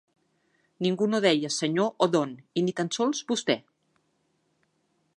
Ningú no deia «senyor» o «don», i ni tan sols «vostè»